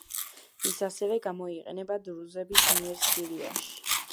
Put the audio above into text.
ის ასევე გამოიყენება დრუზების მიერ სირიაში.